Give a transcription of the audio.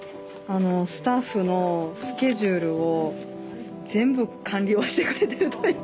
スタッフのスケジュールを全部管理をしてくれてるという。